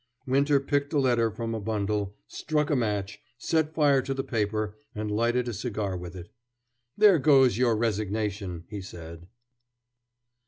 Winter picked a letter from a bundle, struck a match, set fire to the paper, and lighted a cigar with it. "There goes your resignation!" he said.